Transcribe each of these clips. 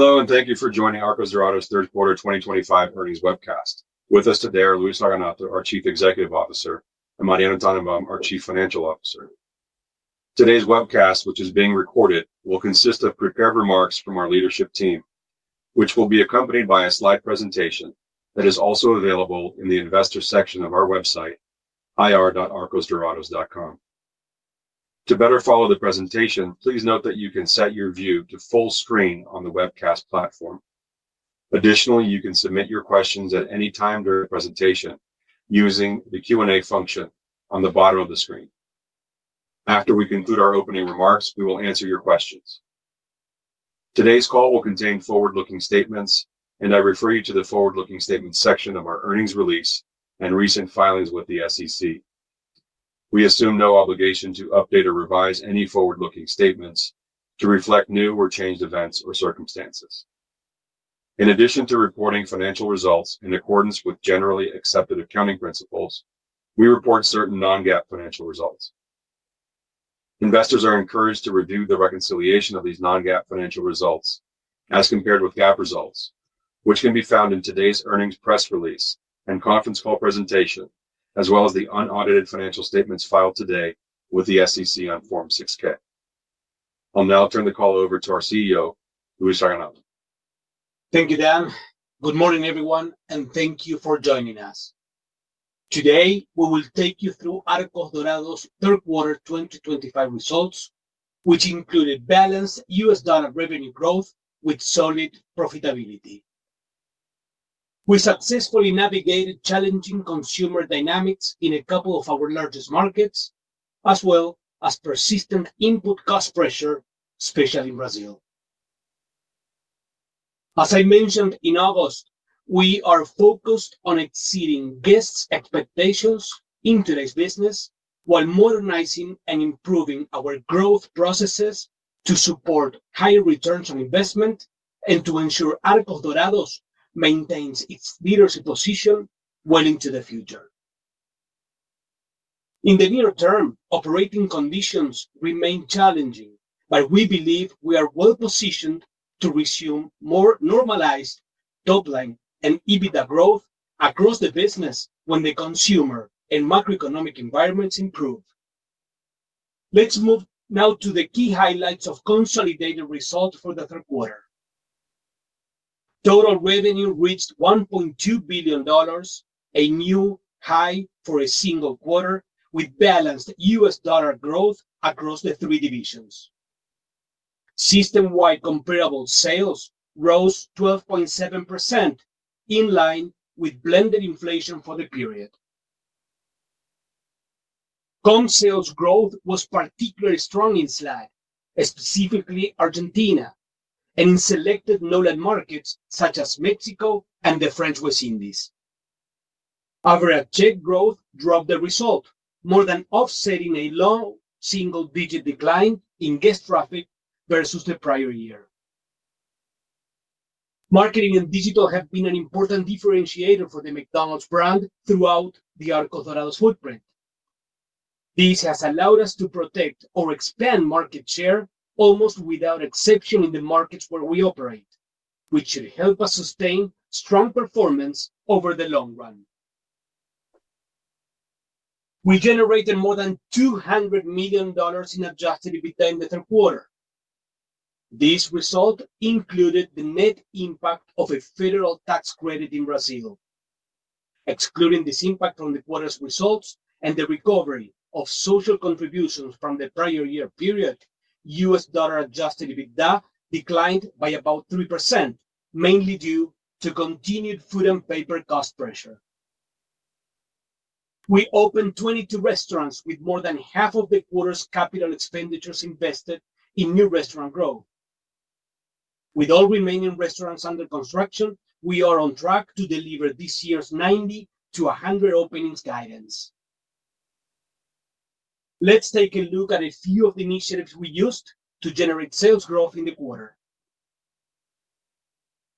Hello, and thank you for joining Arcos Dorados Third Quarter 2025 Earnings Webcast. With us today are Luis Raganato, our Chief Executive Officer, and Mariano Tannenbaum, our Chief Financial Officer. Today's webcast, which is being recorded, will consist of prepared remarks from our leadership team, which will be accompanied by a slide presentation that is also available in the investor section of our website, ir.arcosdorados.com. To better follow the presentation, please note that you can set your view to full screen on the webcast platform. Additionally, you can submit your questions at any time during the presentation using the Q&A function on the bottom of the screen. After we conclude our opening remarks, we will answer your questions. Today's call will contain forward-looking statements, and I refer you to the forward-looking statements section of our earnings release and recent filings with the SEC. We assume no obligation to update or revise any forward-looking statements to reflect new or changed events or circumstances. In addition to reporting financial results in accordance with generally accepted accounting principles, we report certain non-GAAP financial results. Investors are encouraged to review the reconciliation of these non-GAAP financial results as compared with GAAP results, which can be found in today's earnings press release and conference call presentation, as well as the unaudited financial statements filed today with the SEC on Form 6-K. I'll now turn the call over to our CEO, Luis Raganato. Thank you, Dan. Good morning, everyone, and thank you for joining us. Today, we will take you through Arcos Dorados third quarter 2025 results, which included balanced U.S. dollar revenue growth with solid profitability. We successfully navigated challenging consumer dynamics in a couple of our largest markets, as well as persistent input cost pressure, especially in Brazil. As I mentioned in August, we are focused on exceeding guests' expectations in today's business while modernizing and improving our growth processes to support high returns on investment and to ensure Arcos Dorados maintains its leadership position well into the future. In the near term, operating conditions remain challenging, but we believe we are well positioned to resume more normalized top-line and EBITDA growth across the business when the consumer and macroeconomic environments improve. Let's move now to the key highlights of consolidated results for the third quarter. Total revenue reached $1.2 billion, a new high for a single quarter, with balanced U.S. dollar growth across the three divisions. Systemwide comparable sales rose 12.7% in line with blended inflation for the period. Com sales growth was particularly strong in SLAD, specifically Argentina, and in selected NOLAD markets such as Mexico and the French West Indies. Average check growth drove the result, more than offsetting a low single-digit decline in guest traffic versus the prior year. Marketing and digital have been an important differentiator for the McDonald's brand throughout the Arcos Dorados footprint. This has allowed us to protect or expand market share almost without exception in the markets where we operate, which should help us sustain strong performance over the long run. We generated more than $200 million in adjusted EBITDA in the third quarter. This result included the net impact of a federal tax credit in Brazil. Excluding this impact from the quarter's results and the recovery of social contributions from the prior year period, $ adjusted EBITDA declined by about 3%, mainly due to continued food and paper cost pressure. We opened 22 restaurants, with more than half of the quarter's CapEx invested in new restaurant growth. With all remaining restaurants under construction, we are on track to deliver this year's 90-100 openings guidance. Let's take a look at a few of the initiatives we used to generate sales growth in the quarter.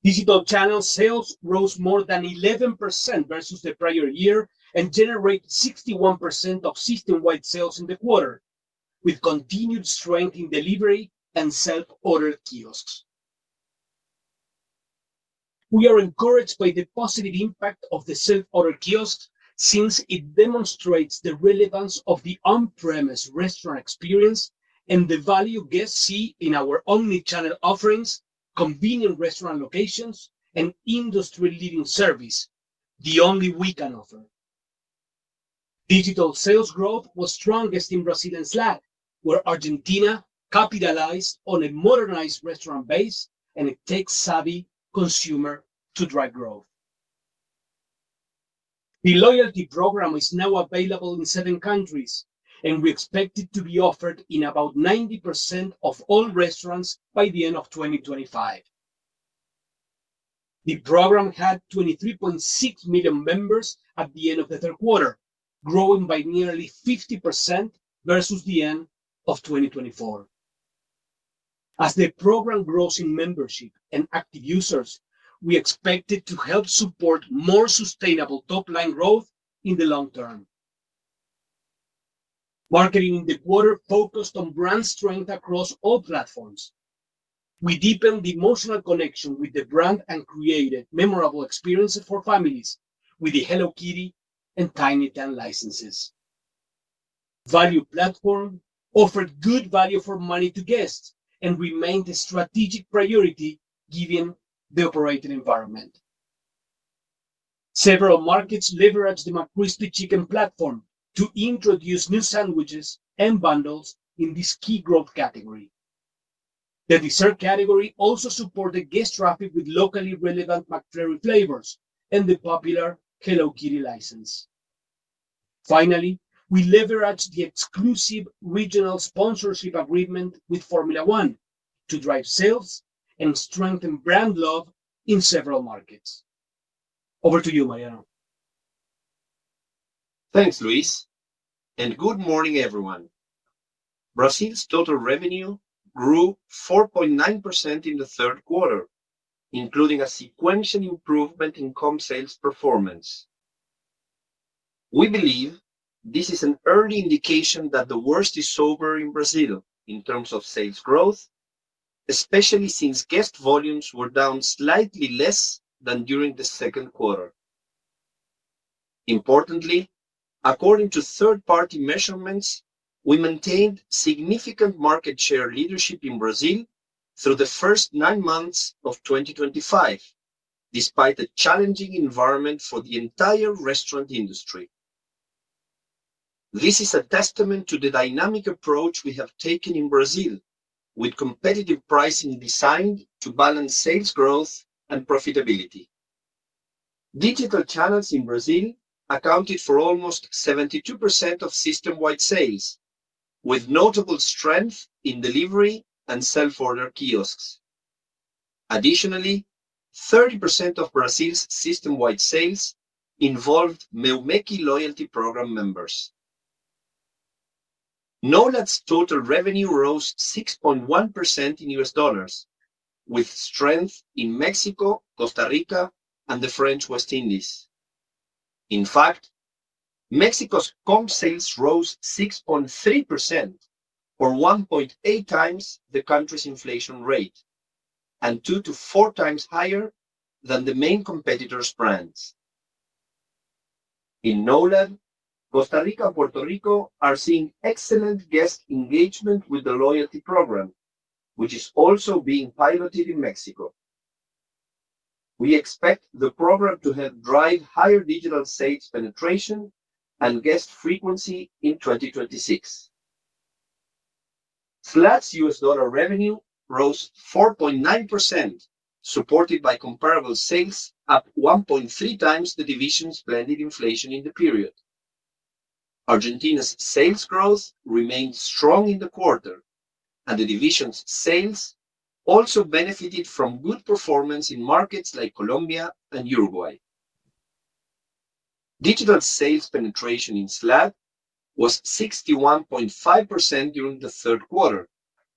Digital channel sales rose more than 11% versus the prior year and generated 61% of systemwide sales in the quarter, with continued strength in delivery and self-ordered kiosks. We are encouraged by the positive impact of the self-ordered kiosk since it demonstrates the relevance of the on-premise restaurant experience and the value guests see in our omnichannel offerings, convenient restaurant locations, and industry-leading service, the only we can offer. Digital sales growth was strongest in Brazil in SLAD, where Argentina capitalized on a modernized restaurant base and a tech-savvy consumer to drive growth. The loyalty program is now available in seven countries, and we expect it to be offered in about 90% of all restaurants by the end of 2025. The program had 23.6 million members at the end of the third quarter, growing by nearly 50% versus the end of 2024. As the program grows in membership and active users, we expect it to help support more sustainable top-line growth in the long term. Marketing in the quarter focused on brand strength across all platforms. We deepened the emotional connection with the brand and created memorable experiences for families with the Hello Kitty and Tiny Tan licenses. The value platform offered good value for money to guests and remained a strategic priority given the operating environment. Several markets leveraged the McCrispy Chicken platform to introduce new sandwiches and bundles in this key growth category. The dessert category also supported guest traffic with locally relevant McFlurry flavors and the popular Hello Kitty license. Finally, we leveraged the exclusive regional sponsorship agreement with Formula One to drive sales and strengthen brand love in several markets. Over to you, Mariano. Thanks, Luis, and good morning, everyone. Brazil's total revenue grew 4.9% in the third quarter, including a sequential improvement in com sales performance. We believe this is an early indication that the worst is over in Brazil in terms of sales growth, especially since guest volumes were down slightly less than during the second quarter. Importantly, according to third-party measurements, we maintained significant market share leadership in Brazil through the first nine months of 2025, despite a challenging environment for the entire restaurant industry. This is a testament to the dynamic approach we have taken in Brazil, with competitive pricing designed to balance sales growth and profitability. Digital channels in Brazil accounted for almost 72% of systemwide sales, with notable strength in delivery and self-ordered kiosks. Additionally, 30% of Brazil's systemwide sales involved loyalty program members. NOLAD total revenue rose 6.1% in U.S. dollars, with strength in Mexico, Costa Rica, and the French West Indies. In fact, Mexico's comparable sales rose 6.3%, or 1.8x the country's inflation rate, and two to four times higher than the main competitor's brands. In NOLAD, Costa Rica and Puerto Rico are seeing excellent guest engagement with the loyalty program, which is also being piloted in Mexico. We expect the program to help drive higher digital sales penetration and guest frequency in 2026. SLAD's U.S. dollar revenue rose 4.9%, supported by comparable sales, up 1.3xthe division's blended inflation in the period. Argentina's sales growth remained strong in the quarter, and the division's sales also benefited from good performance in markets like Colombia and Uruguay. Digital sales penetration in SLAD was 61.5% during the third quarter,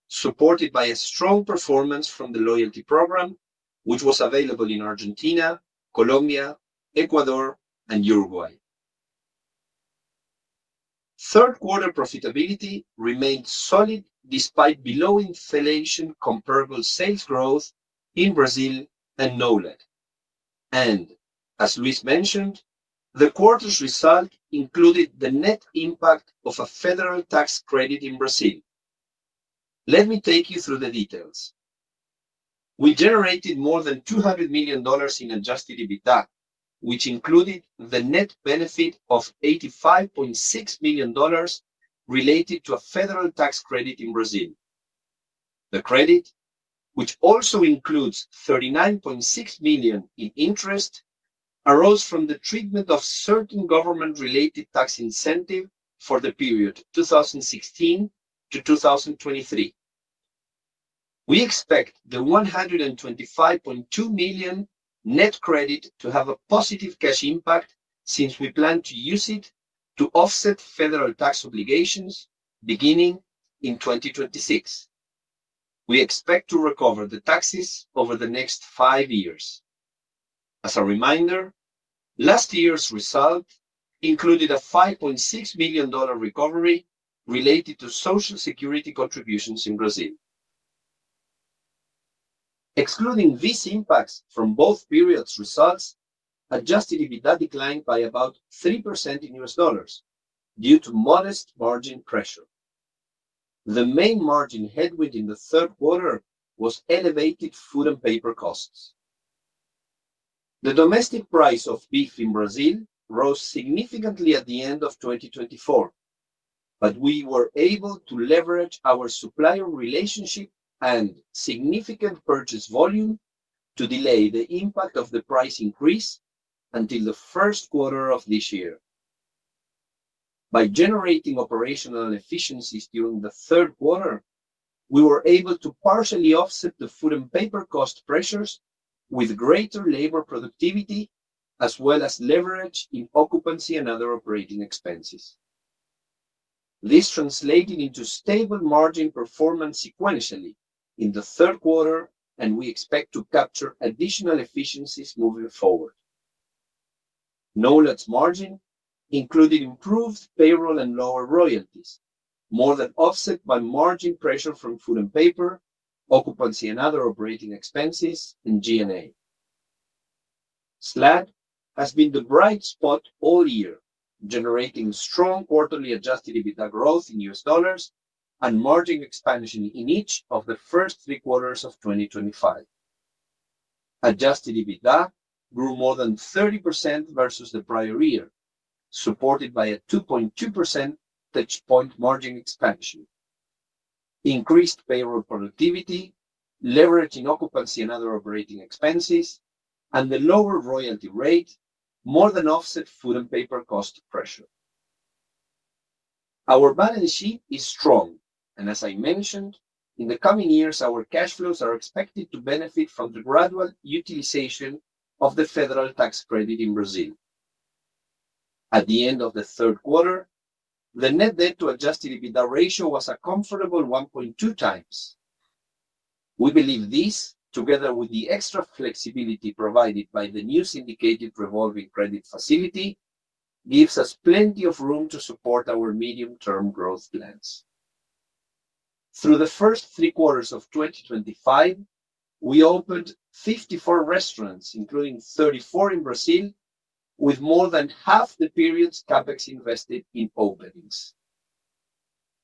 supported by a strong performance from the loyalty program, which was available in Argentina, Colombia, Ecuador, and Uruguay. Third quarter profitability remained solid despite below-inflation comparable sales growth in Brazil and NOLAD. As Luis mentioned, the quarter's result included the net impact of a federal tax credit in Brazil. Let me take you through the details. We generated more than $200 million in adjusted EBITDA, which included the net benefit of $85.6 million related to a federal tax credit in Brazil. The credit, which also includes $39.6 million in interest, arose from the treatment of certain government-related tax incentives for the period 2016 to 2023. We expect the $125.2 million net credit to have a positive cash impact since we plan to use it to offset federal tax obligations beginning in 2026. We expect to recover the taxes over the next five years. As a reminder, last year's result included a $5.6 million recovery related to Social Security contributions in Brazil. Excluding these impacts from both periods' results, adjusted EBITDA declined by about 3% in U.S. dollars due to modest margin pressure. The main margin headwind in the third quarter was elevated food and paper costs. The domestic price of beef in Brazil rose significantly at the end of 2024, but we were able to leverage our supplier relationship and significant purchase volume to delay the impact of the price increase until the first quarter of this year. By generating operational efficiencies during the third quarter, we were able to partially offset the food and paper cost pressures with greater labor productivity, as well as leverage in occupancy and other operating expenses. This translated into stable margin performance sequentially in the third quarter, and we expect to capture additional efficiencies moving forward. NOLAD margin included improved payroll and lower royalties, more than offset by margin pressure from food and paper, occupancy, and other operating expenses and G&A. SLAD has been the bright spot all year, generating strong quarterly adjusted EBITDA growth in U.S. dollars and margin expansion in each of the first three quarters of 2025. Adjusted EBITDA grew more than 30% versus the prior year, supported by a 2.2% touchpoint margin expansion. Increased payroll productivity, leveraging occupancy and other operating expenses, and the lower royalty rate more than offset food and paper cost pressure. Our balance sheet is strong, and as I mentioned, in the coming years, our cash flows are expected to benefit from the gradual utilization of the federal tax credit in Brazil. At the end of the third quarter, the net debt-to-adjusted EBITDA ratio was a comfortable 1.2x. We believe this, together with the extra flexibility provided by the new syndicated revolving credit facility, gives us plenty of room to support our medium-term growth plans. Through the first three quarters of 2025, we opened 54 restaurants, including 34 in Brazil, with more than half the period's CapEx invested in openings.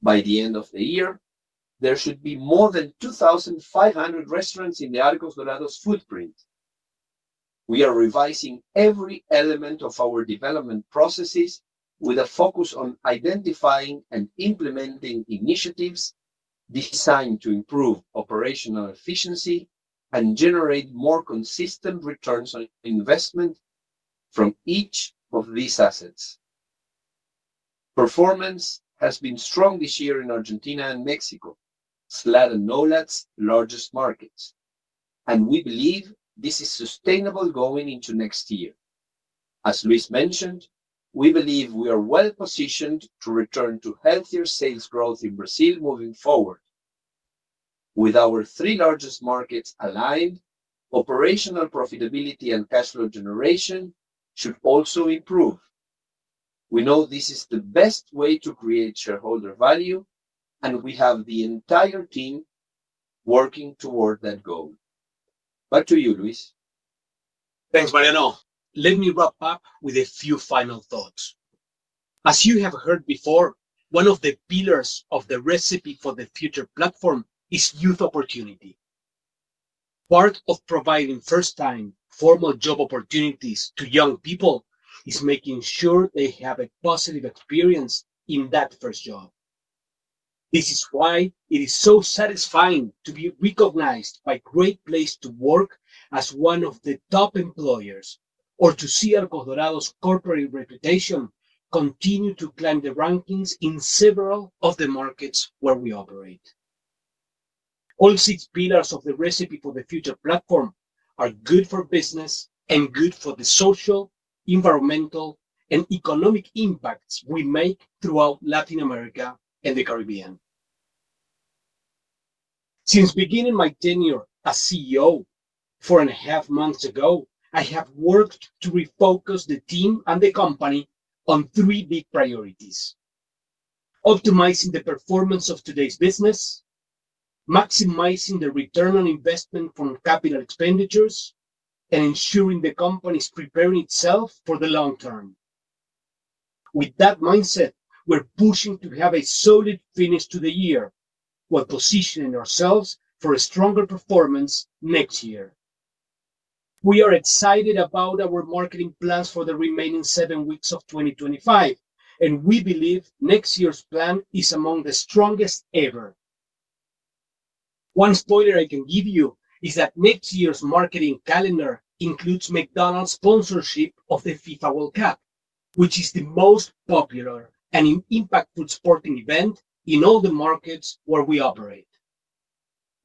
By the end of the year, there should be more than 2,500 restaurants in the Arcos Dorados footprint. We are revising every element of our development processes with a focus on identifying and implementing initiatives designed to improve operational efficiency and generate more consistent returns on investment from each of these assets. Performance has been strong this year in Argentina and Mexico, SLAD and NOLAD's largest markets, and we believe this is sustainable going into next year. As Luis mentioned, we believe we are well positioned to return to healthier sales growth in Brazil moving forward. With our three largest markets aligned, operational profitability and cash flow generation should also improve. We know this is the best way to create shareholder value, and we have the entire team working toward that goal. Back to you, Luis. Thanks, Mariano. Let me wrap up with a few final thoughts. As you have heard before, one of the pillars of the recipe for the future platform is youth opportunity. Part of providing first-time formal job opportunities to young people is making sure they have a positive experience in that first job. This is why it is so satisfying to be recognized by Great Place to Work as one of the top employers or to see Arcos Dorados' corporate reputation continue to climb the rankings in several of the markets where we operate. All six pillars of the recipe for the future platform are good for business and good for the social, environmental, and economic impacts we make throughout Latin America and the Caribbean. Since beginning my tenure as CEO four and a half months ago, I have worked to refocus the team and the company on three big priorities: optimizing the performance of today's business, maximizing the return on investment from capital expenditures, and ensuring the company is preparing itself for the long term. With that mindset, we're pushing to have a solid finish to the year while positioning ourselves for a stronger performance next year. We are excited about our marketing plans for the remaining seven weeks of 2025, and we believe next year's plan is among the strongest ever. One spoiler I can give you is that next year's marketing calendar includes McDonald's sponsorship of the FIFA World Cup, which is the most popular and impactful sporting event in all the markets where we operate.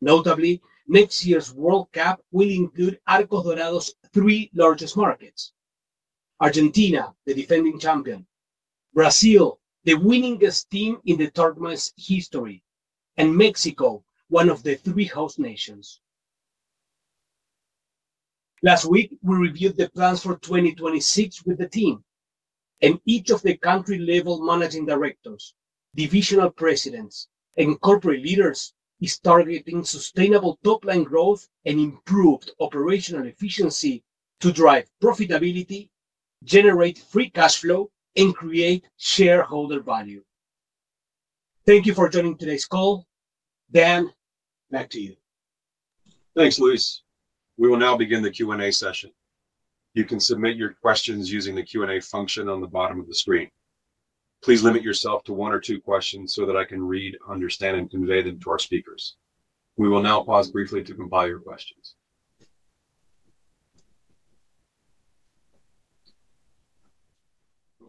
Notably, next year's World Cup will include Arcos Dorados' three largest markets: Argentina, the defending champion; Brazil, the winningest team in the tournament's history; and Mexico, one of the three host nations. Last week, we reviewed the plans for 2026 with the team, and each of the country-level managing directors, divisional presidents, and corporate leaders is targeting sustainable top-line growth and improved operational efficiency to drive profitability, generate free cash flow, and create shareholder value. Thank you for joining today's call. Dan, back to you. Thanks, Luis. We will now begin the Q&A session. You can submit your questions using the Q&A function on the bottom of the screen. Please limit yourself to one or two questions so that I can read, understand, and convey them to our speakers. We will now pause briefly to compile your questions.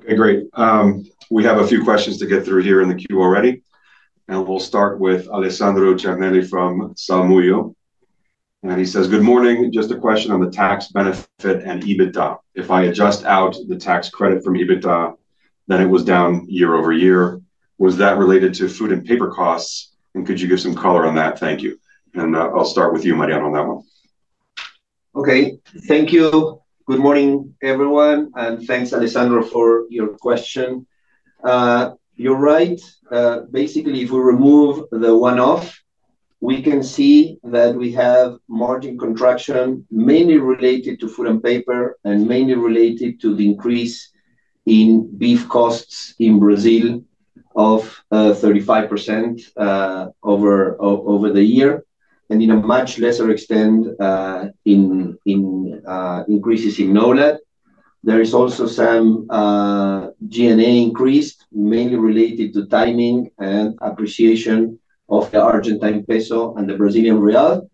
Okay, great. We have a few questions to get through here in the queue already. We will start with Alessandro Giannelli from Sal. Oppenheim. He says, "Good morning. Just a question on the tax benefit and EBITDA. If I adjust out the tax credit from EBITDA, then it was down year over year. Was that related to food and paper costs? And could you give some color on that?" Thank you. I will start with you, Mariano, on that one. Okay. Thank you. Good morning, everyone. Thank you, Alessandro, for your question. You're right. Basically, if we remove the one-off, we can see that we have margin contraction mainly related to food and paper and mainly related to the increase in beef costs in Brazil of 35% over the year. In a much lesser extent, in increases in NOLAD, there is also some G&A increase, mainly related to timing and appreciation of the Argentine peso and the Brazilian real.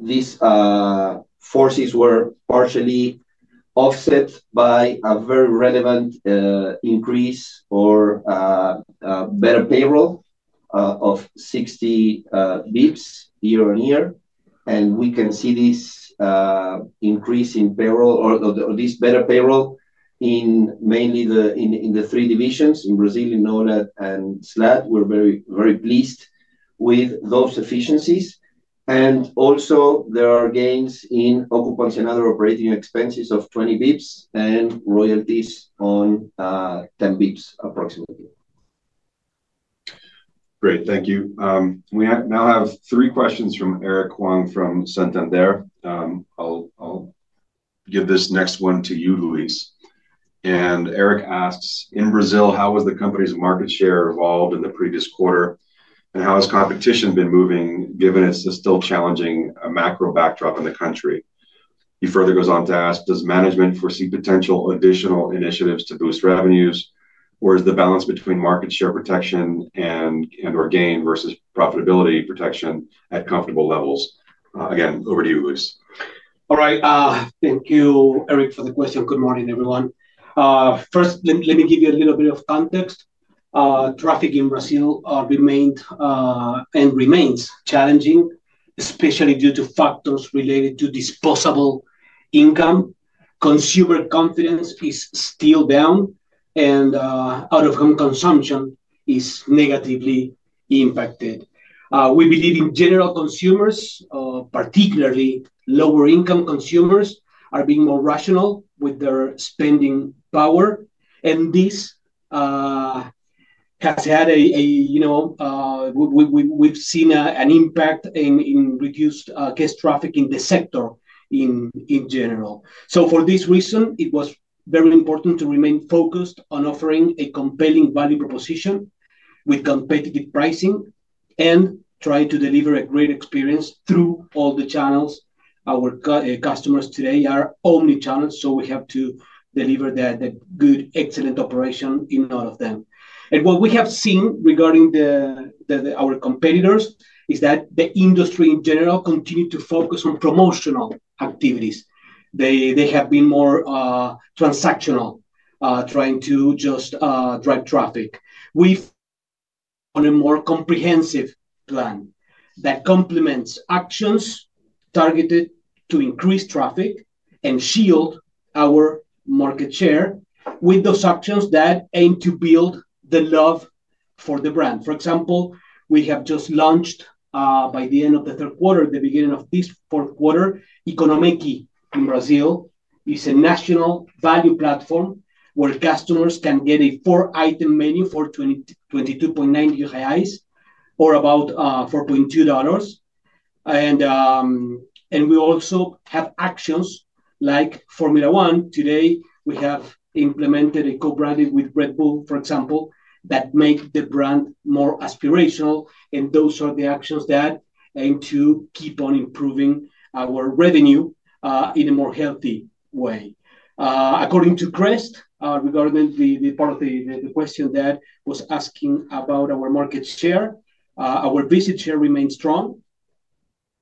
These forces were partially offset by a very relevant increase or better payroll of 60 basis points year on year. We can see this increase in payroll or this better payroll in mainly the three divisions in Brazil, NOLAD and SLAD. We're very pleased with those efficiencies. Also, there are gains in occupancy and other operating expenses of 20 basis points and royalties on 10 basis points approximately. Great. Thank you. We now have three questions from Eric Huang from Santander. I'll give this next one to you, Luis. Eric asks, "In Brazil, how has the company's market share evolved in the previous quarter? How has competition been moving given it's a still challenging macro backdrop in the country?" He further goes on to ask, "Does management foresee potential additional initiatives to boost revenues? Or is the balance between market share protection and/or gain versus profitability protection at comfortable levels?" Again, over to you, Luis. All right. Thank you, Eric, for the question. Good morning, everyone. First, let me give you a little bit of context. Traffic in Brazil remained and remains challenging, especially due to factors related to disposable income. Consumer confidence is still down, and out-of-home consumption is negatively impacted. We believe in general consumers, particularly lower-income consumers, are being more rational with their spending power. This has had a—we have seen an impact in reduced cash traffic in the sector in general. For this reason, it was very important to remain focused on offering a compelling value proposition with competitive pricing and trying to deliver a great experience through all the channels. Our customers today are omnichannels, so we have to deliver that good, excellent operation in all of them. What we have seen regarding our competitors is that the industry in general continued to focus on promotional activities. They have been more transactional, trying to just drive traffic. We've found a more comprehensive plan that complements actions targeted to increase traffic and shield our market share with those options that aim to build the love for the brand. For example, we have just launched by the end of the third quarter, the beginning of this fourth quarter, Economeki in Brazil. It's a national value platform where customers can get a four-item menu for 22.90 or about $4.2. We also have actions like Formula One. Today, we have implemented a co-branding with Red Bull, for example, that makes the brand more aspirational. Those are the actions that aim to keep on improving our revenue in a more healthy way. According to Crest, regarding the part of the question that was asking about our market share, our business share remains strong,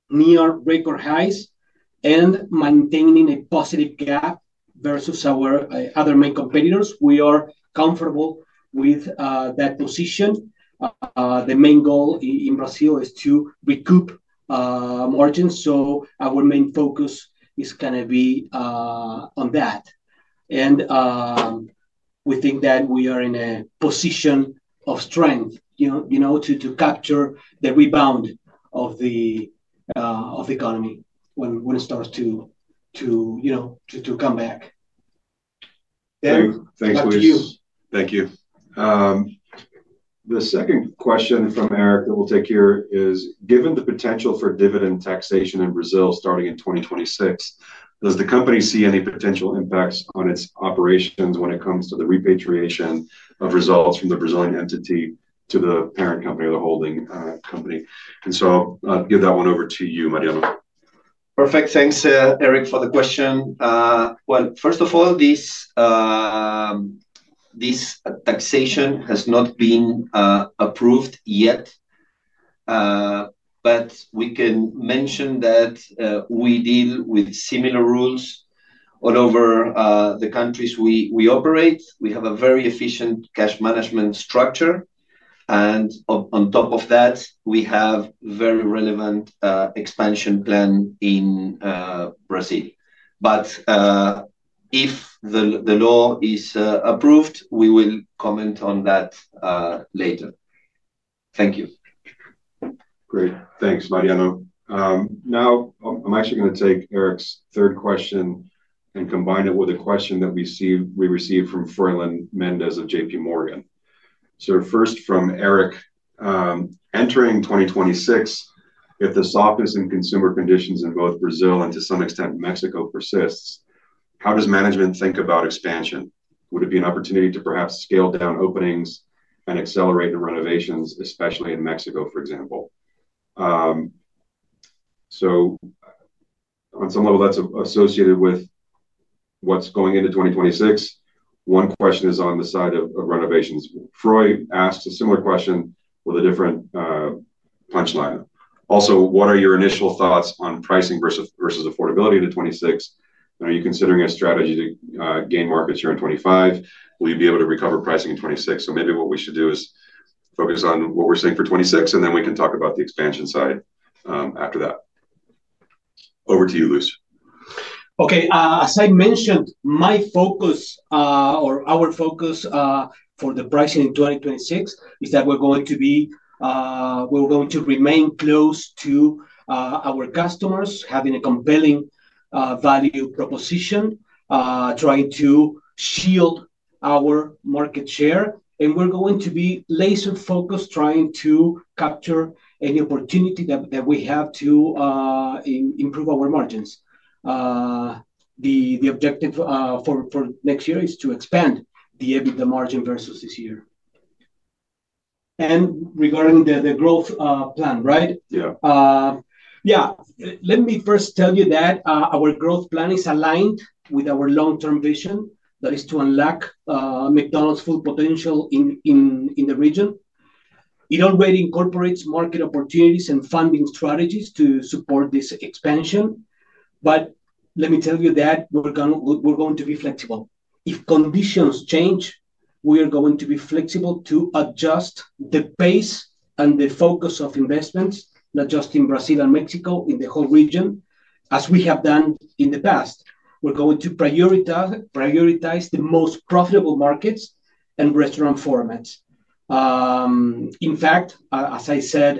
near record highs, and maintaining a positive gap versus our other main competitors. We are comfortable with that position. The main goal in Brazil is to recoup margins. Our main focus is going to be on that. We think that we are in a position of strength to capture the rebound of the economy when it starts to come back. Thanks, Luis. Thank you. Thank you. The second question from Eric that we'll take here is, "Given the potential for dividend taxation in Brazil starting in 2026, does the company see any potential impacts on its operations when it comes to the repatriation of results from the Brazilian entity to the parent company or the holding company?" I will give that one over to you, Mariano. Perfect. Thanks, Eric, for the question. First of all, this taxation has not been approved yet. We can mention that we deal with similar rules all over the countries we operate. We have a very efficient cash management structure. On top of that, we have a very relevant expansion plan in Brazil. If the law is approved, we will comment on that later. Thank you. Great. Thanks, Mariano. Now, I'm actually going to take Eric's third question and combine it with a question that we received from Froylan Mendez of J.P. Morgan. First, from Eric, "Entering 2026, if the softness in consumer conditions in both Brazil and to some extent Mexico persists, how does management think about expansion? Would it be an opportunity to perhaps scale down openings and accelerate the renovations, especially in Mexico, for example?" On some level, that's associated with what's going into 2026. One question is on the side of renovations. Froy asks a similar question with a different punchline. Also, "What are your initial thoughts on pricing versus affordability in 2026? And are you considering a strategy to gain market share in 2025? Will you be able to recover pricing in 2026? Maybe what we should do is focus on what we're seeing for 2026, and then we can talk about the expansion side after that. Over to you, Luis. Okay. As I mentioned, my focus or our focus for the pricing in 2026 is that we're going to be—we're going to remain close to our customers, having a compelling value proposition, trying to shield our market share. We're going to be laser-focused trying to capture any opportunity that we have to improve our margins. The objective for next year is to expand the EBITDA margin versus this year. Regarding the growth plan, right? Yeah. Yeah. Let me first tell you that our growth plan is aligned with our long-term vision that is to unlock McDonald's full potential in the region. It already incorporates market opportunities and funding strategies to support this expansion. Let me tell you that we're going to be flexible. If conditions change, we are going to be flexible to adjust the pace and the focus of investments, not just in Brazil and Mexico, in the whole region, as we have done in the past. We're going to prioritize the most profitable markets and restaurant formats. In fact, as I said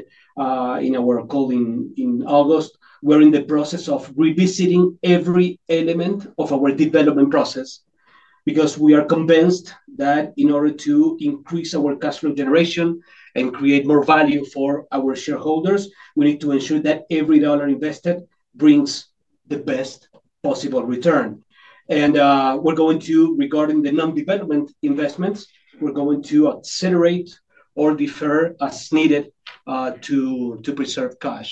in our call in August, we're in the process of revisiting every element of our development process because we are convinced that in order to increase our cash flow generation and create more value for our shareholders, we need to ensure that every dollar invested brings the best possible return. Regarding the non-development investments, we're going to accelerate or defer as needed to preserve cash.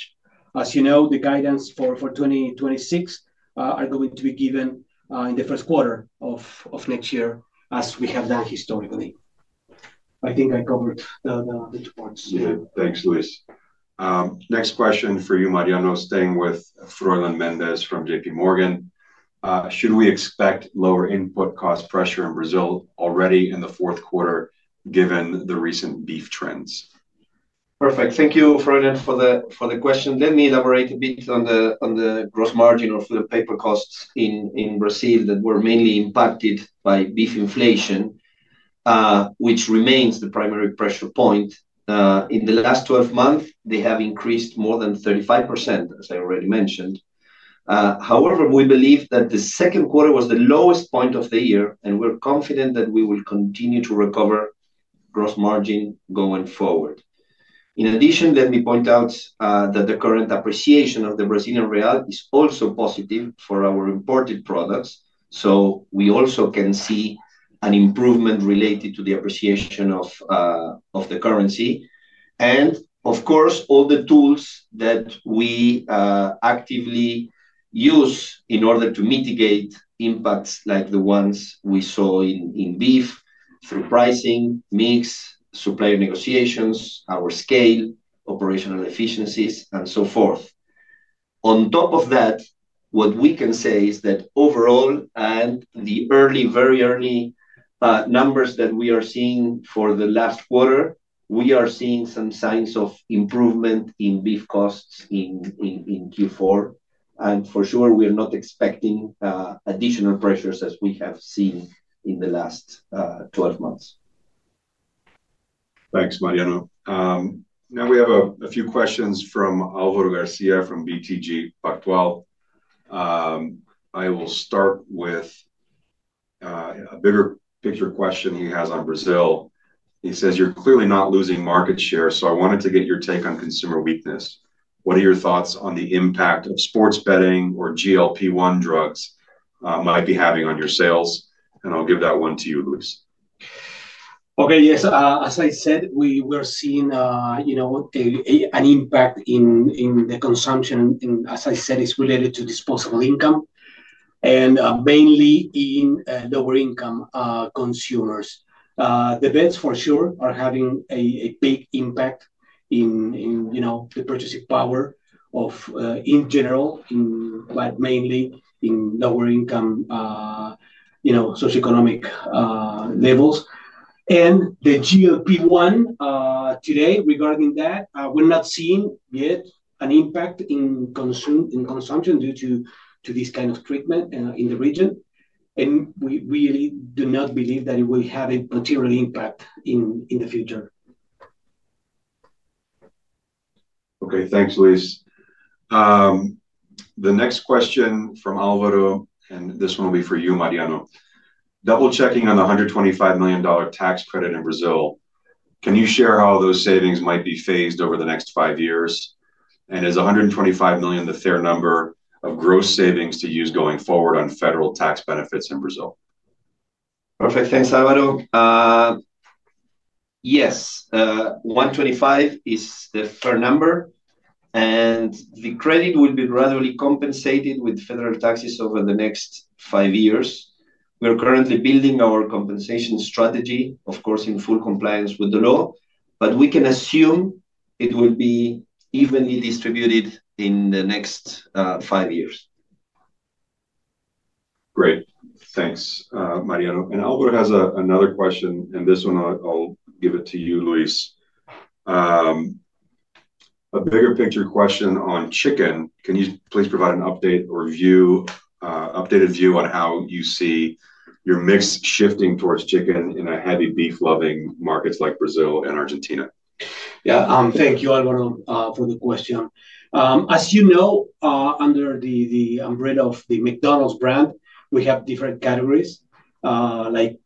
As you know, the guidance for 2026 are going to be given in the first quarter of next year, as we have done historically. I think I covered the two points. Thanks, Luis. Next question for you, Mariano, staying with Froylan Mendez from JP Morgan. "Should we expect lower input cost pressure in Brazil already in the fourth quarter given the recent beef trends? Perfect. Thank you, Froylan, for the question. Let me elaborate a bit on the gross margin or the paper costs in Brazil that were mainly impacted by beef inflation, which remains the primary pressure point. In the last 12 months, they have increased more than 35%, as I already mentioned. However, we believe that the second quarter was the lowest point of the year, and we're confident that we will continue to recover gross margin going forward. In addition, let me point out that the current appreciation of the Brazilian real is also positive for our imported products. We also can see an improvement related to the appreciation of the currency. Of course, all the tools that we actively use in order to mitigate impacts like the ones we saw in beef through pricing, mixed supplier negotiations, our scale, operational efficiencies, and so forth. On top of that, what we can say is that overall, and the very early numbers that we are seeing for the last quarter, we are seeing some signs of improvement in beef costs in Q4. For sure, we are not expecting additional pressures as we have seen in the last 12 months. Thanks, Mariano. Now, we have a few questions from Alvaro Garcia from BTG Pactual. I will start with a bigger picture question he has on Brazil. He says, "You're clearly not losing market share. So I wanted to get your take on consumer weakness. What are your thoughts on the impact of sports betting or GLP-1 drugs might be having on your sales?" I will give that one to you, Luis. Okay. Yes. As I said, we're seeing an impact in the consumption, and as I said, it's related to disposable income, and mainly in lower-income consumers. The bets, for sure, are having a big impact in the purchasing power in general, but mainly in lower-income socioeconomic levels. The GLP-1 today, regarding that, we're not seeing yet an impact in consumption due to this kind of treatment in the region. We really do not believe that it will have a material impact in the future. Okay. Thanks, Luis. The next question from Alvaro, and this one will be for you, Mariano. "Double-checking on the $125 million tax credit in Brazil, can you share how those savings might be phased over the next five years? Is $125 million the fair number of gross savings to use going forward on federal tax benefits in Brazil? Perfect. Thanks, Álvaro. Yes. $125 million is the fair number. The credit will be gradually compensated with federal taxes over the next five years. We're currently building our compensation strategy, of course, in full compliance with the law. We can assume it will be evenly distributed in the next five years. Great. Thanks, Mariano. Alvaro has another question. This one, I'll give it to you, Luis. "A bigger picture question on chicken. Can you please provide an updated view on how you see your mix shifting towards chicken in heavy beef-loving markets like Brazil and Argentina? Yeah. Thank you, Alvaro, for the question. As you know, under the umbrella of the McDonald's brand, we have different categories like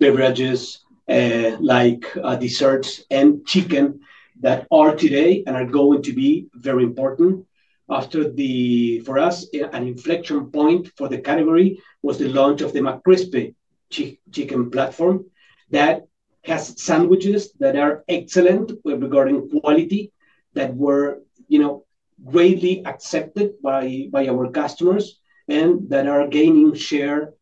beverages, like desserts, and chicken that are today and are going to be very important. For us, an inflection point for the category was the launch of the McCrispy Chicken platform that has sandwiches that are excellent regarding quality that were greatly accepted by our customers and that are gaining share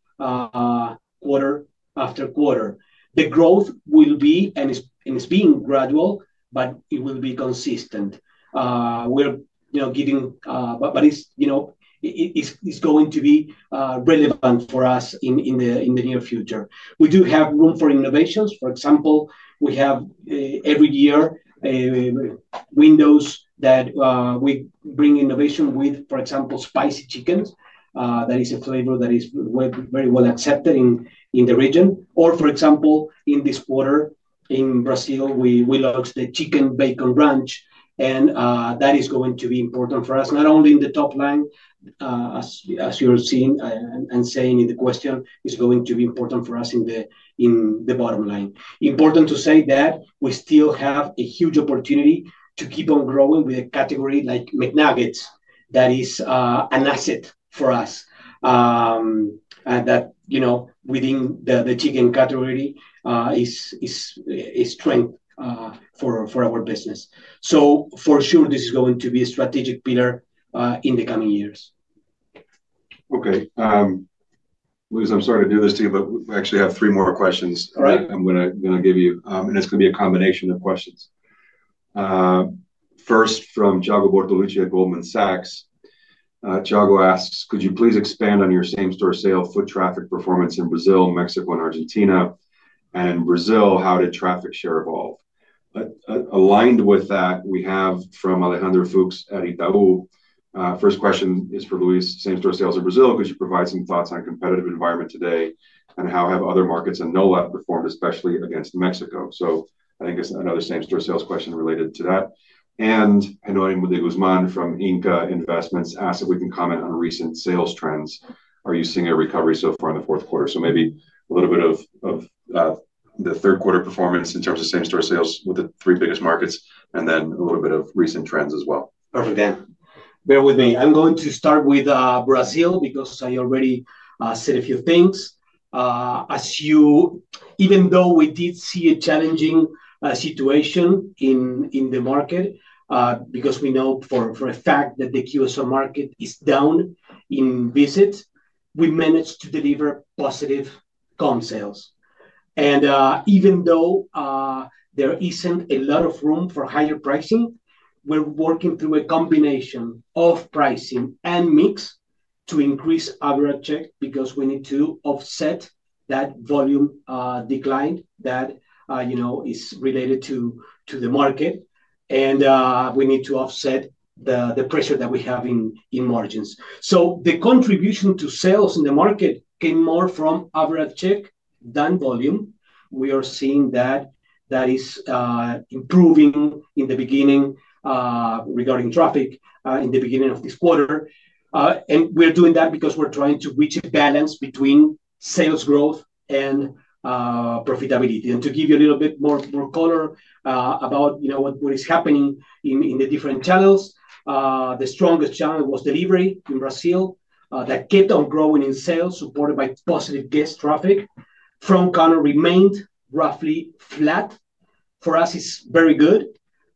quarter after quarter. The growth will be, and it's being gradual, but it will be consistent. We're getting, but it's going to be relevant for us in the near future. We do have room for innovations. For example, we have every year windows that we bring innovation with, for example, spicy chickens. That is a flavor that is very well accepted in the region. Or, for example, in this quarter in Brazil, we launched the chicken bacon brunch. That is going to be important for us, not only in the top line, as you're seeing and saying in the question, it's going to be important for us in the bottom line. Important to say that we still have a huge opportunity to keep on growing with a category like McNuggets that is an asset for us and that within the chicken category is strength for our business. For sure, this is going to be a strategic pillar in the coming years. Okay. Luis, I'm sorry to do this to you, but we actually have three more questions I'm going to give you. It's going to be a combination of questions. First, from Thiago Bortoluci at Goldman Sachs. Thiago asks, "Could you please expand on your same-store sale foot traffic performance in Brazil, Mexico, and Argentina? In Brazil, how did traffic share evolve?" Aligned with that, we have from Alejandro Fuchs at Itaú. First question is for Luis. "Same-store sales in Brazil, could you provide some thoughts on competitive environment today? How have other markets and NOLAD performed, especially against Mexico?" I think it's another same-store sales question related to that. Jeronimo De Guzman from INCA Investments asked if we can comment on recent sales trends. Are you seeing a recovery so far in the fourth quarter? Maybe a little bit of the third-quarter performance in terms of same-store sales with the three biggest markets, and then a little bit of recent trends as well. Perfect. Bear with me. I'm going to start with Brazil because I already said a few things. Even though we did see a challenging situation in the market because we know for a fact that the QSR market is down in visits, we managed to deliver positive comp sales. Even though there is not a lot of room for higher pricing, we're working through a combination of pricing and mix to increase our check because we need to offset that volume decline that is related to the market. We need to offset the pressure that we have in margins. The contribution to sales in the market came more from average check than volume. We are seeing that that is improving in the beginning regarding traffic in the beginning of this quarter. We're doing that because we're trying to reach a balance between sales growth and profitability. To give you a little bit more color about what is happening in the different channels, the strongest channel was delivery in Brazil that kept on growing in sales, supported by positive guest traffic. Front counter remained roughly flat. For us, it is very good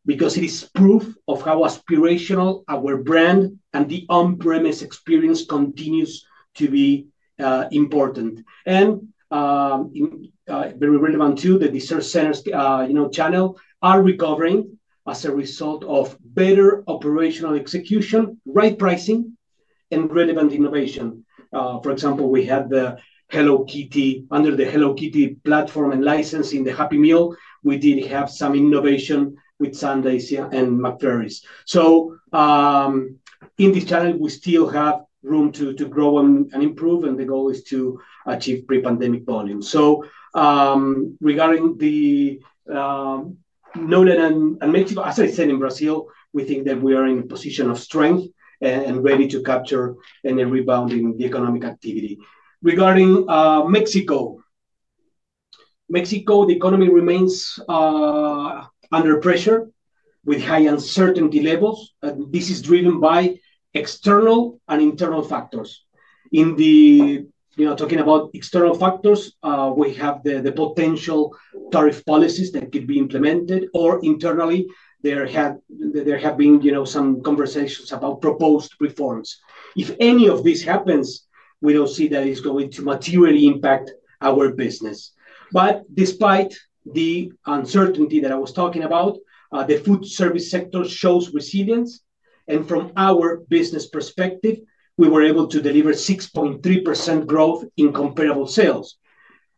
because it is proof of how aspirational our brand and the on-premise experience continues to be important. Very relevant too, the dessert centers channel are recovering as a result of better operational execution, right pricing, and relevant innovation. For example, we had the Hello Kitty. Under the Hello Kitty platform and licensing the Happy Meal, we did have some innovation with Sundaes and McFlurry. In this channel, we still have room to grow and improve, and the goal is to achieve pre-pandemic volume. Regarding the NOLAD and Mexico, as I said, in Brazil, we think that we are in a position of strength and ready to capture any rebound in the economic activity. Regarding Mexico, the economy remains under pressure with high uncertainty levels. This is driven by external and internal factors. In talking about external factors, we have the potential tariff policies that could be implemented, or internally, there have been some conversations about proposed reforms. If any of this happens, we do not see that it is going to materially impact our business. Despite the uncertainty that I was talking about, the food service sector shows resilience. From our business perspective, we were able to deliver 6.3% growth in comparable sales.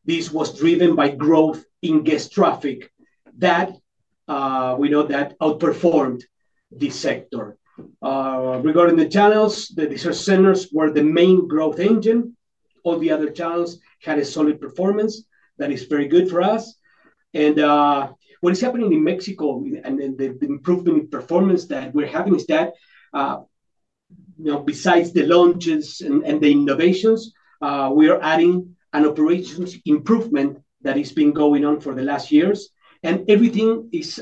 This was driven by growth in guest traffic that we know outperformed this sector. Regarding the channels, the dessert centers were the main growth engine. All the other channels had a solid performance. That is very good for us. What is happening in Mexico and the improvement in performance that we're having is that besides the launches and the innovations, we are adding an operations improvement that has been going on for the last years. Everything is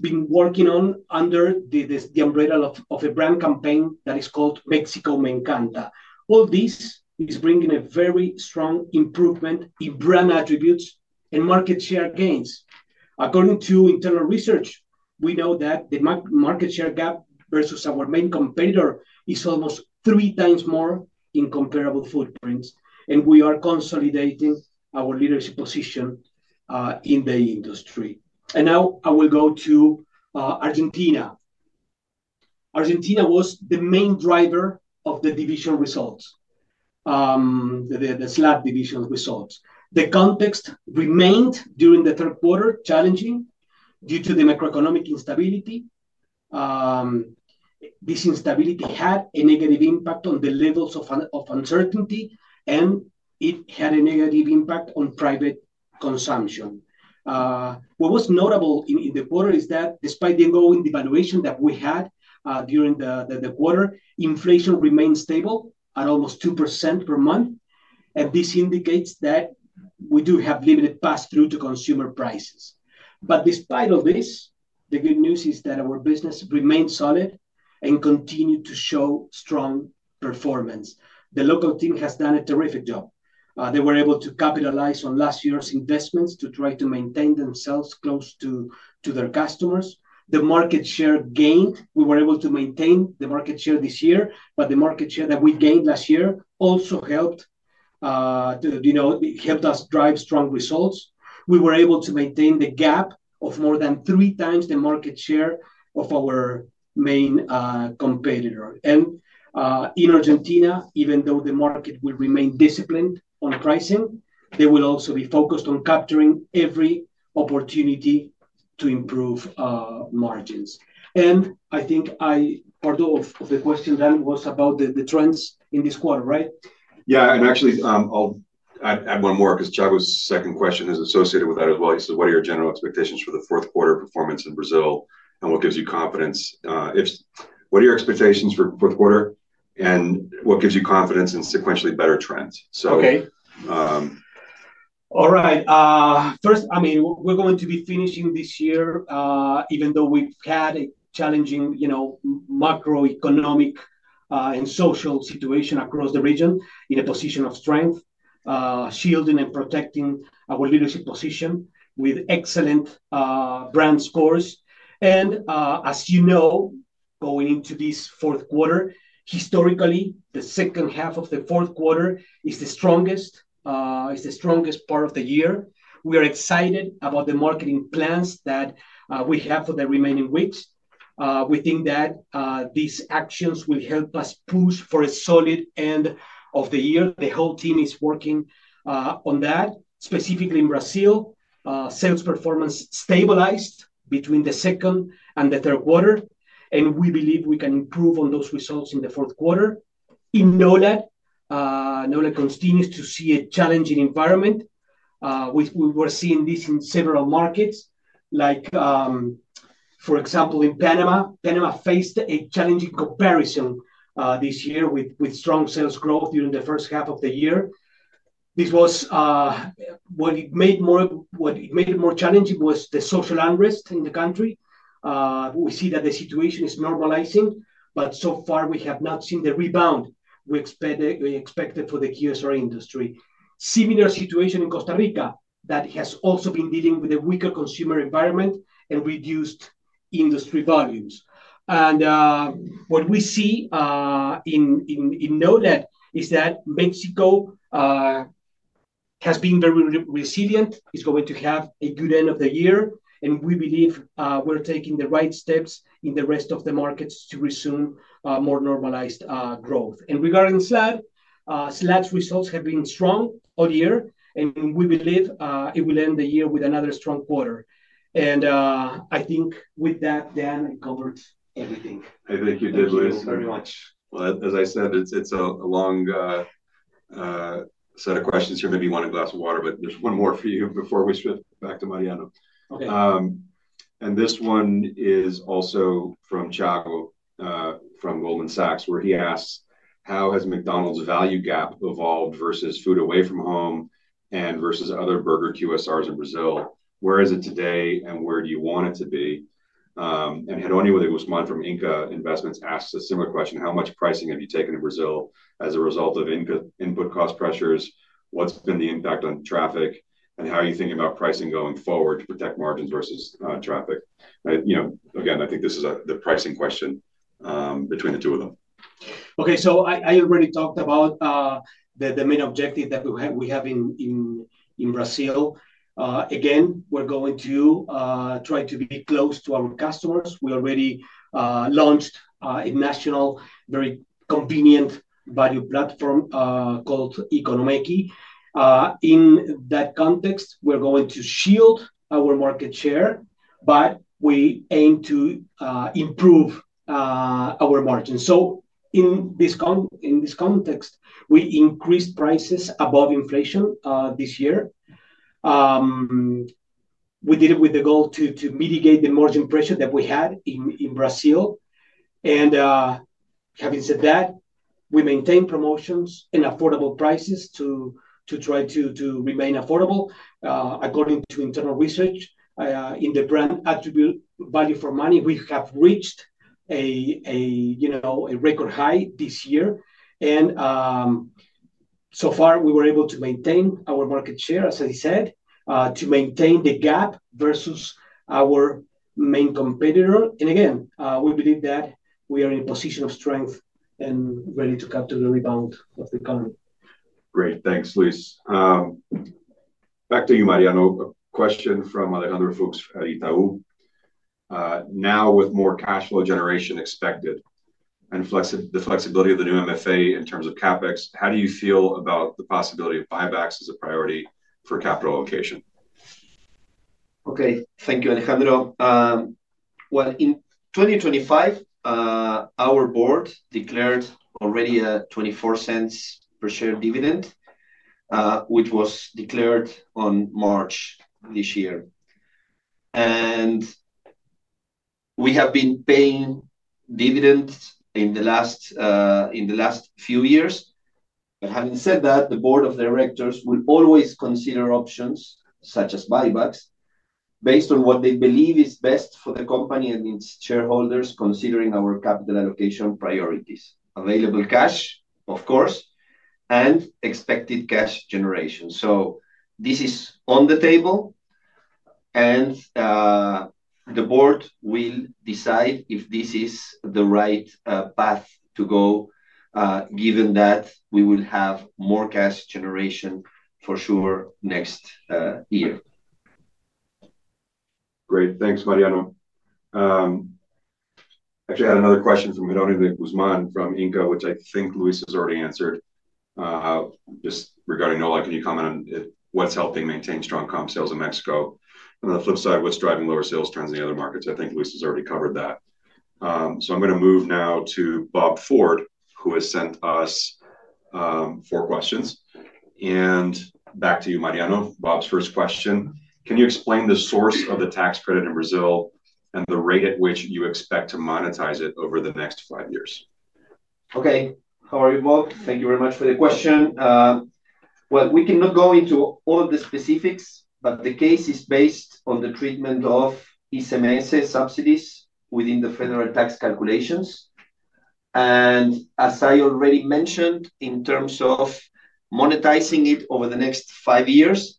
being worked on under the umbrella of a brand campaign that is called Mexico Me Encanta. All this is bringing a very strong improvement in brand attributes and market share gains. According to internal research, we know that the market share gap versus our main competitor is almost three times more in comparable footprints. We are consolidating our leadership position in the industry. Now I will go to Argentina. Argentina was the main driver of the division results, the SLAD division results. The context remained during the third quarter challenging due to the macroeconomic instability. This instability had a negative impact on the levels of uncertainty, and it had a negative impact on private consumption. What was notable in the quarter is that despite the ongoing devaluation that we had during the quarter, inflation remained stable at almost 2% per month. This indicates that we do have limited pass-through to consumer prices. Despite all this, the good news is that our business remained solid and continued to show strong performance. The local team has done a terrific job. They were able to capitalize on last year's investments to try to maintain themselves close to their customers. The market share gained. We were able to maintain the market share this year, but the market share that we gained last year also helped us drive strong results. We were able to maintain the gap of more than three times the market share of our main competitor. In Argentina, even though the market will remain disciplined on pricing, they will also be focused on capturing every opportunity to improve margins. I think part of the question then was about the trends in this quarter, right? Yeah. Actually, I'll add one more because Thiago's second question is associated with that as well. He says, "What are your general expectations for the fourth quarter performance in Brazil? What gives you confidence? What are your expectations for the fourth quarter? What gives you confidence in sequentially better trends? Okay. All right. First, I mean, we're going to be finishing this year, even though we've had a challenging macroeconomic and social situation across the region, in a position of strength, shielding and protecting our leadership position with excellent brand scores. As you know, going into this fourth quarter, historically, the second half of the fourth quarter is the strongest part of the year. We are excited about the marketing plans that we have for the remaining weeks. We think that these actions will help us push for a solid end of the year. The whole team is working on that. Specifically in Brazil, sales performance stabilized between the second and the third quarter. We believe we can improve on those results in the fourth quarter. In NOLAD, NOLAD continues to see a challenging environment. We were seeing this in several markets. For example, in Panama, Panama faced a challenging comparison this year with strong sales growth during the first half of the year. What made it more challenging was the social unrest in the country. We see that the situation is normalizing, but so far, we have not seen the rebound we expected for the QSR industry. Similar situation in Costa Rica that has also been dealing with a weaker consumer environment and reduced industry volumes. What we see in NOLAD is that Mexico has been very resilient, is going to have a good end of the year. We believe we are taking the right steps in the rest of the markets to resume more normalized growth. Regarding SLAD, SLAD's results have been strong all year. We believe it will end the year with another strong quarter. I think with that, Dan, I covered everything. I think you did, Luis. Thank you very much. As I said, it's a long set of questions here. Maybe you want a glass of water, but there's one more for you before we shift back to Mariano. Okay. This one is also from Thiago from Goldman Sachs, where he asks, "How has McDonald's value gap evolved versus food away from home and versus other burger QSRs in Brazil? Where is it today, and where do you want it to be?" Jeronimo De Guzman from Inca Investments asks a similar question, "How much pricing have you taken in Brazil as a result of input cost pressures? What's been the impact on traffic? And how are you thinking about pricing going forward to protect margins versus traffic?" I think this is the pricing question between the two of them. Okay. I already talked about the main objective that we have in Brazil. Again, we're going to try to be close to our customers. We already launched a national, very convenient value platform called Economeki. In that context, we're going to shield our market share, but we aim to improve our margins. In this context, we increased prices above inflation this year. We did it with the goal to mitigate the margin pressure that we had in Brazil. Having said that, we maintain promotions and affordable prices to try to remain affordable. According to internal research, in the brand attribute value for money, we have reached a record high this year. So far, we were able to maintain our market share, as I said, to maintain the gap versus our main competitor. We believe that we are in a position of strength and ready to capture the rebound of the economy. Great. Thanks, Luis. Back to you, Mariano. Question from Alejandro Fuchs from Itaú. "Now with more cash flow generation expected and the flexibility of the new MFA in terms of CapEx, how do you feel about the possibility of buybacks as a priority for capital allocation? Okay. Thank you, Alejandro. In 2025, our board declared already a $0.24 per share dividend, which was declared on March this year. We have been paying dividends in the last few years. Having said that, the board of directors will always consider options such as buybacks based on what they believe is best for the company and its shareholders, considering our capital allocation priorities: available cash, of course, and expected cash generation. This is on the table. The board will decide if this is the right path to go, given that we will have more cash generation for sure next year. Great. Thanks, Mariano. Actually, I had another question from Jeronimo De Guzman from INCA, which I think Luis has already answered. Just regarding NOLAD, can you comment on what's helping maintain strong comp sales in Mexico? On the flip side, what's driving lower sales trends in the other markets? I think Luis has already covered that. I'm going to move now to Bob Ford, who has sent us four questions. Back to you, Mariano. Bob's first question, "Can you explain the source of the tax credit in Brazil and the rate at which you expect to monetize it over the next five years? Okay. How are you, Bob? Thank you very much for the question. We cannot go into all of the specifics, but the case is based on the treatment of SMS subsidies within the federal tax calculations. As I already mentioned, in terms of monetizing it over the next five years,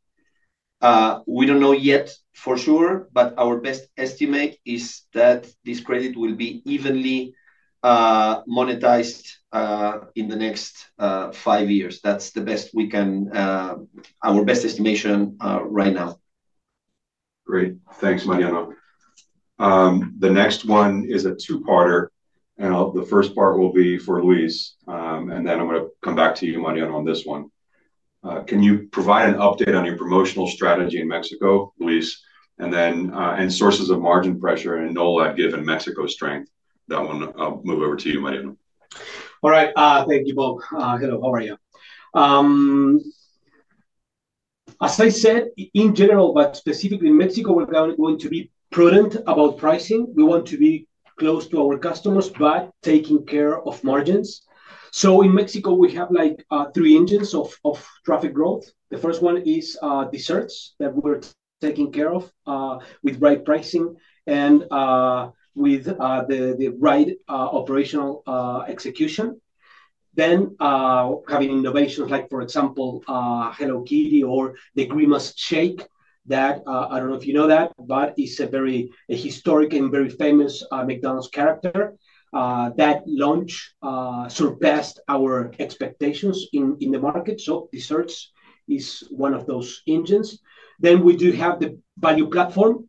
we do not know yet for sure, but our best estimate is that this credit will be evenly monetized in the next five years. That is the best we can—our best estimation right now. Great. Thanks, Mariano. The next one is a two-parter. The first part will be for Luis. I am going to come back to you, Mariano, on this one. Can you provide an update on your promotional strategy in Mexico, Luis, and sources of margin pressure in NOLAD given Mexico's strength? That one, I will move over to you, Mariano. All right. Thank you, Bob. Hello, how are you? As I said, in general, but specifically in Mexico, we're going to be prudent about pricing. We want to be close to our customers but taking care of margins. In Mexico, we have three engines of traffic growth. The first one is desserts that we're taking care of with right pricing and with the right operational execution. Having innovations like, for example, Hello Kitty or the Grimace Shake that I don't know if you know that, but it's a very historic and very famous McDonald's character, that launch surpassed our expectations in the market. Desserts is one of those engines. We do have the value platform.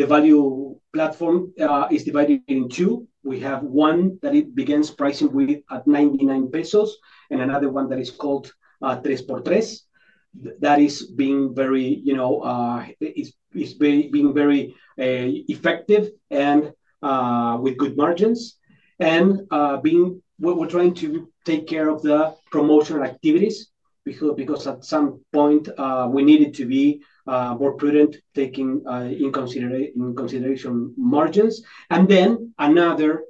The value platform is divided into two. We have one that begins pricing at 99 pesos and another one that is called Tres por Tres. That is being very—it's being very effective and with good margins. We are trying to take care of the promotional activities because at some point, we needed to be more prudent taking in consideration margins. Another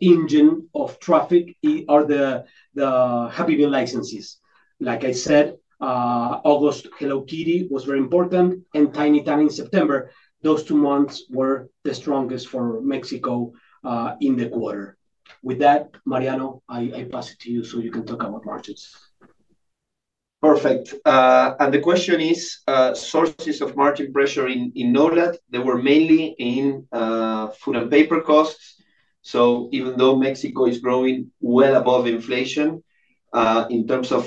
engine of traffic are the Happy Meal licenses. Like I said, August Hello Kitty was very important. Tiny Tan in September, those two months were the strongest for Mexico in the quarter. With that, Mariano, I pass it to you so you can talk about margins. Perfect. The question is, sources of margin pressure in NOLAD, they were mainly in food and paper costs. Even though Mexico is growing well above inflation, in terms of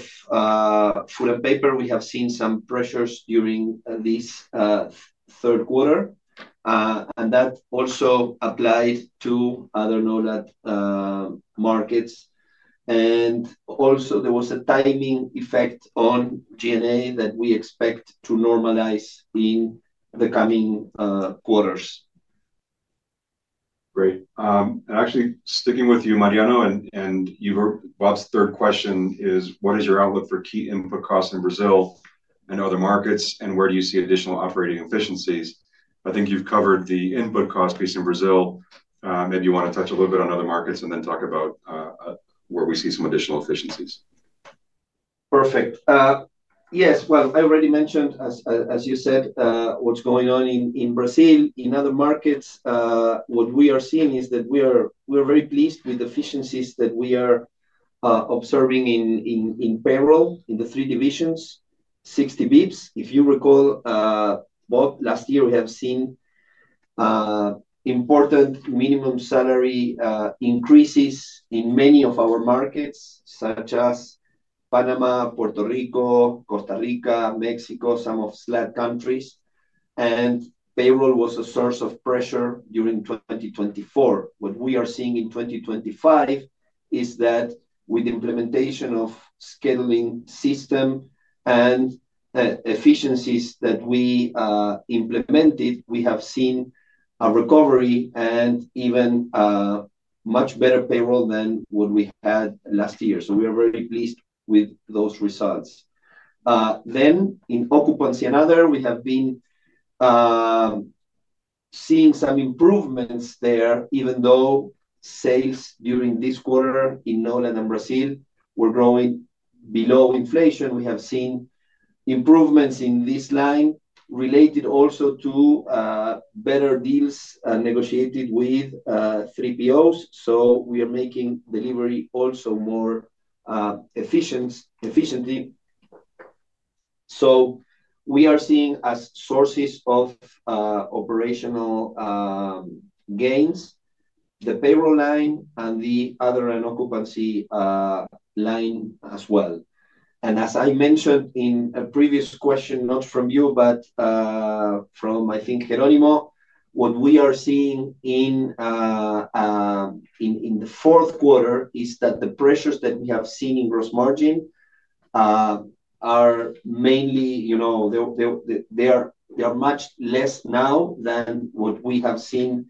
food and paper, we have seen some pressures during this third quarter. That also applied to other NOLAD markets. There was a timing effect on G&A that we expect to normalize in the coming quarters. Great. Actually, sticking with you, Mariano, and Bob's third question is, "What is your outlook for key input costs in Brazil and other markets, and where do you see additional operating efficiencies?" I think you've covered the input cost piece in Brazil. Maybe you want to touch a little bit on other markets and then talk about where we see some additional efficiencies. Perfect. Yes. I already mentioned, as you said, what's going on in Brazil. In other markets, what we are seeing is that we are very pleased with the efficiencies that we are observing in payroll in the three divisions, 60 basis points. If you recall, Bob, last year, we have seen important minimum salary increases in many of our markets, such as Panama, Puerto Rico, Costa Rica, Mexico, some of SLAD countries. Payroll was a source of pressure during 2024. What we are seeing in 2025 is that with the implementation of the scheduling system and efficiencies that we implemented, we have seen a recovery and even much better payroll than what we had last year. We are very pleased with those results. In occupancy and other, we have been seeing some improvements there, even though sales during this quarter in NOLAD and Brazil were growing below inflation. We have seen improvements in this line related also to better deals negotiated with 3POs. We are making delivery also more efficiently. We are seeing as sources of operational gains the payroll line and the other occupancy line as well. As I mentioned in a previous question, not from you, but from, I think, Jeronimo, what we are seeing in the fourth quarter is that the pressures that we have seen in gross margin are mainly much less now than what we have seen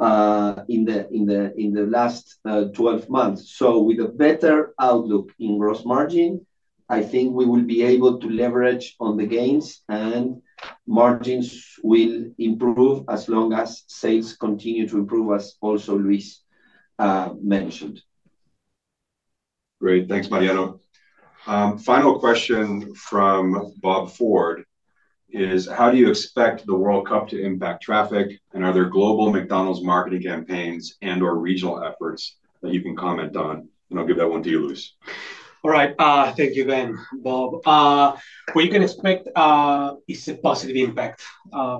in the last 12 months. With a better outlook in gross margin, I think we will be able to leverage on the gains, and margins will improve as long as sales continue to improve, as also Luis mentioned. Great. Thanks, Mariano. Final question from Bob Ford is, "How do you expect the World Cup to impact traffic, and are there global McDonald's marketing campaigns and/or regional efforts that you can comment on?" I will give that one to you, Luis. All right. Thank you again, Bob. What you can expect is a positive impact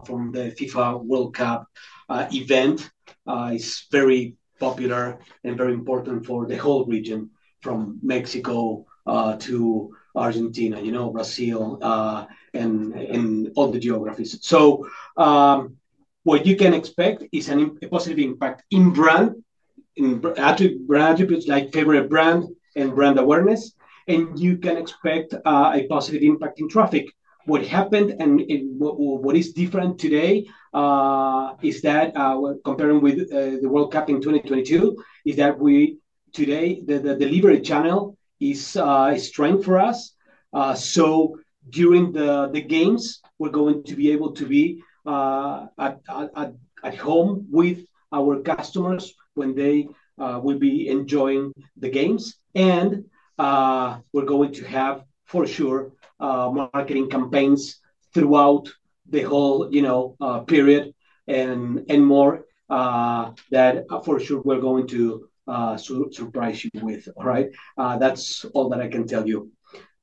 from the FIFA World Cup event. It's very popular and very important for the whole region, from Mexico to Argentina, Brazil, and all the geographies. What you can expect is a positive impact in brand, actually brand attributes like favorite brand and brand awareness. You can expect a positive impact in traffic. What happened and what is different today is that comparing with the World Cup in 2022 is that today, the delivery channel is strength for us. During the games, we're going to be able to be at home with our customers when they will be enjoying the games. We're going to have, for sure, marketing campaigns throughout the whole period and more that, for sure, we're going to surprise you with. All right? That's all that I can tell you.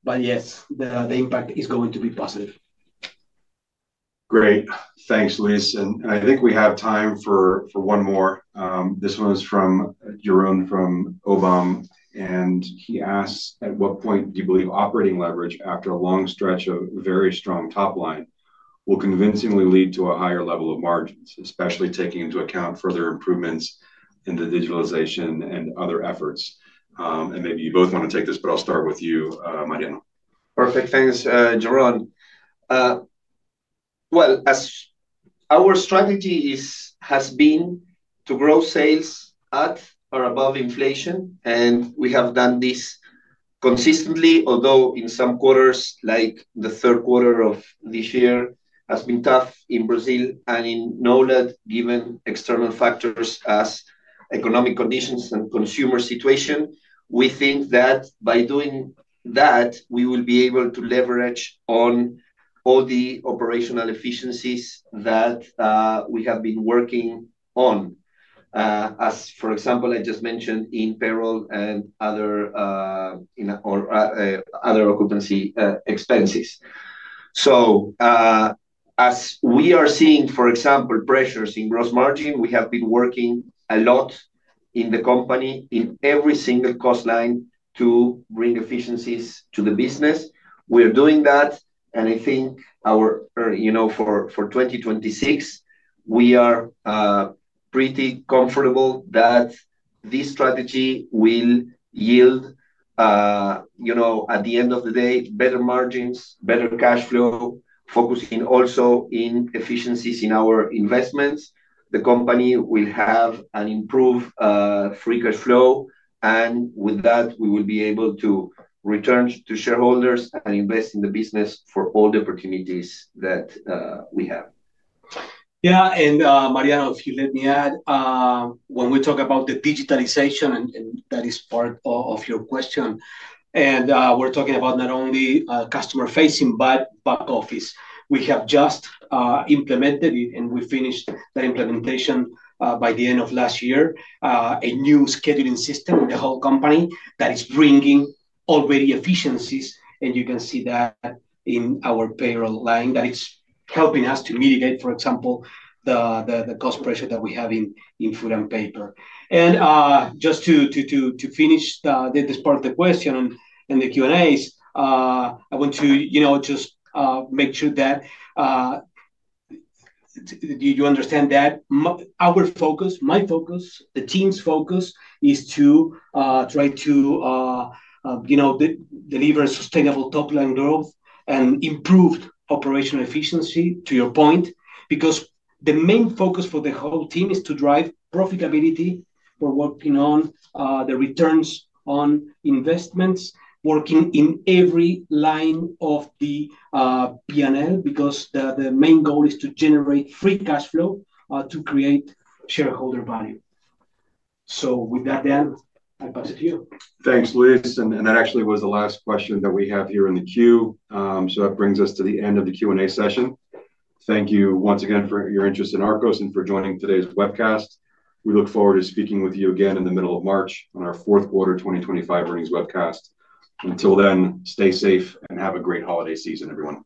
Yes, the impact is going to be positive. Great. Thanks, Luis. I think we have time for one more. This one is from Jeroen from Oban. He asks, "At what point do you believe operating leverage after a long stretch of very strong top line will convincingly lead to a higher level of margins, especially taking into account further improvements in the digitalization and other efforts?" Maybe you both want to take this, but I'll start with you, Mariano. Perfect. Thanks, Jeroen. Our strategy has been to grow sales at or above inflation. We have done this consistently, although in some quarters, like the third quarter of this year, it has been tough in Brazil and in NOLAD, given external factors such as economic conditions and the consumer situation. We think that by doing that, we will be able to leverage all the operational efficiencies that we have been working on, as, for example, I just mentioned in payroll and other occupancy expenses. As we are seeing, for example, pressures in gross margin, we have been working a lot in the company in every single cost line to bring efficiencies to the business. We are doing that. I think for 2026, we are pretty comfortable that this strategy will yield, at the end of the day, better margins, better cash flow, focusing also in efficiencies in our investments. The company will have an improved free cash flow. With that, we will be able to return to shareholders and invest in the business for all the opportunities that we have. Yeah. Mariano, if you let me add, when we talk about the digitalization, and that is part of your question, and we're talking about not only customer facing but back office, we have just implemented it, and we finished the implementation by the end of last year, a new scheduling system in the whole company that is bringing already efficiencies. You can see that in our payroll line that it is helping us to mitigate, for example, the cost pressure that we have in food and paper. Just to finish this part of the question and the Q&As, I want to just make sure that you understand that our focus, my focus, the team's focus is to try to deliver sustainable top-line growth and improved operational efficiency, to your point, because the main focus for the whole team is to drive profitability for working on the returns on investments, working in every line of the P&L, because the main goal is to generate free cash flow to create shareholder value. With that, Dan, I pass it to you. Thanks, Luis. That actually was the last question that we have here in the queue. That brings us to the end of the Q&A session. Thank you once again for your interest in Arcos and for joining today's webcast. We look forward to speaking with you again in the middle of March on our fourth quarter 2025 earnings webcast. Until then, stay safe and have a great holiday season, everyone.